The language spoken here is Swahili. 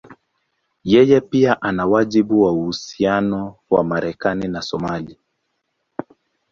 Yeye pia ana wajibu kwa uhusiano wa Marekani na Somalia.